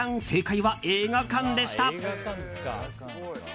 正解は映画館でした。